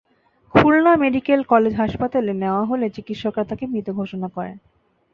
Khulna medical college হাসপাতালে নেওয়া হলে চিকিৎসকেরা তাঁকে মৃত ঘোষণা করেন।